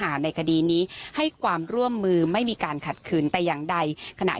และอย่างร่างแรกเลยก็มีการเป็นชลักเลือดนะครับ